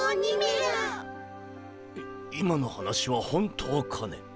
い今の話は本当かね？